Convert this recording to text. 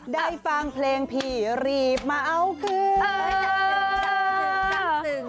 ได้ฟังเพลงพี่รีบมาเอาคืน